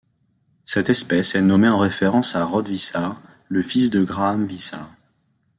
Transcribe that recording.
Cette espèce est nommée en référence à Rod Wishart, le fils de Graham Wishart.